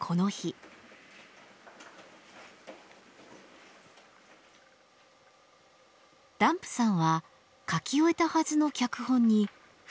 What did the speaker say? ダンプさんは書き終えたはずの脚本に再び手を入れ始めました。